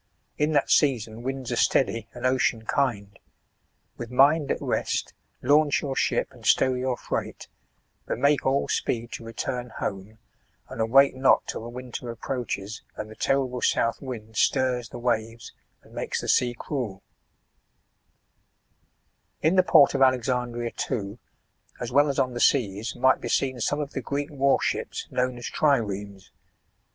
In that season winds are steady and ocean kind : with mind at rest, launch your ship and stow your freight, but make all speed to return home, and await not till the winter ap proaches and the terrible South wind stirs the waves and makes the sea cruel/' In the port of Alexandria too, as well as on the seas, might be seen some of the Greek warships known as triremes.